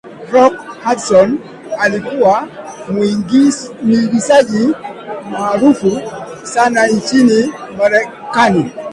rock hudson alikuwa muigizaji maarufu sana nchini marekani